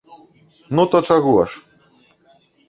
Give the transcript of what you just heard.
Ну, то чаго ж!